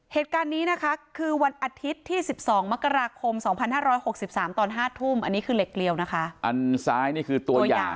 เหตุการณ์นี้นะคะคือวันอาทิตย์ที่๑๒มกราคม๒๕๖๓ตอน๕ทุ่มอันนี้คือเหล็กเกลียวนะคะ